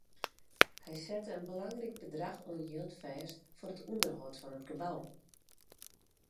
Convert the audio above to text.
Hy sette in belangryk bedrach oan jild fêst foar it ûnderhâld fan it gebou.